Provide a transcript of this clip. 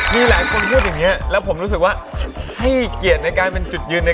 มีหลายคนพูดอย่างนี้แล้วผมรู้สึกว่าให้เกียรติในการเป็นจุดยืนใน